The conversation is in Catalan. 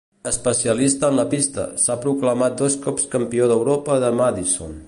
Especialista en la pista, s'ha proclamat dos cops Campió d'Europa de Madison.